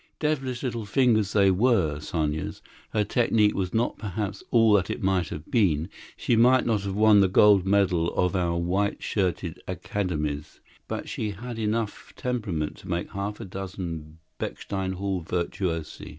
Devilish little fingers they were, Sanya's. Her technique was not perhaps all that it might have been; she might not have won the Gold Medal of our white shirted academies, but she had enough temperament to make half a dozen Bechstein Hall virtuosi.